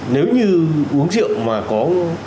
nếu như uống rượu mà có